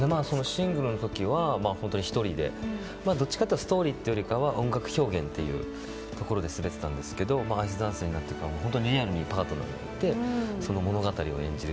シングルの時は、１人でどっちかっていうとストーリーというよりは音楽表現というところで滑っていたんですがアイスダンスになって本当にリアルにパートナーがいて物語を演じる。